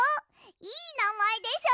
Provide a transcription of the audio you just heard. いいなまえでしょ。